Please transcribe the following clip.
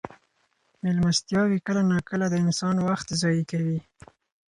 مېلمستیاوې کله ناکله د انسان وخت ضایع کوي.